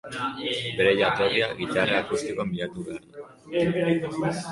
Bere jatorria gitarra akustikoan bilatu behar da.